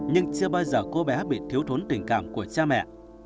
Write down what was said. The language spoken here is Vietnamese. nhưng chưa bao giờ cô bé bị thiếu thốn tình cảm của cha mẹ